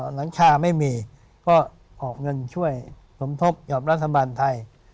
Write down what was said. หลังคาไม่มีก็ออกเงินช่วยสมทบกับรัฐบาลไทย